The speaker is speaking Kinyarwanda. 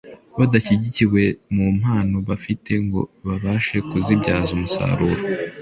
badashyigikirwa mu mpano bafite ngo babashe kuzibyaza umusaruro